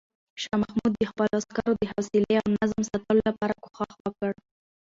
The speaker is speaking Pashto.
شاه محمود د خپلو عسکرو د حوصلې او نظم ساتلو لپاره کوښښ وکړ.